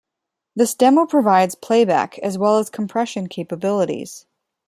This demo provides playback as well as compression capabilities.